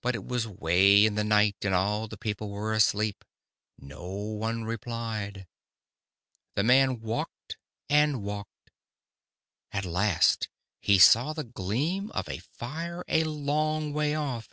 "But it was way in the night, and all the people were asleep. No one replied. "The man walked and walked. At last he saw the gleam of a fire a long way off.